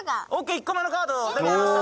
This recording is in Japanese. １個目のカードとりました